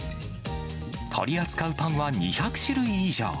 取り扱うパンは２００種類以上。